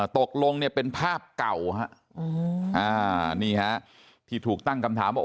ตกลงเป็นภาพเก่าที่ถูกตั้งคำถามว่า